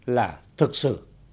là thực sự